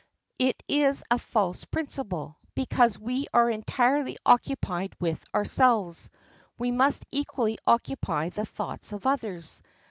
It is a false principle, because we are entirely occupied with ourselves, we must equally occupy the thoughts of others.